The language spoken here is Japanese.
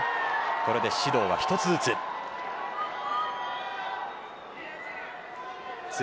これで指導は１つずつです。